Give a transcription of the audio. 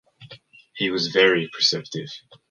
He was very perceptive.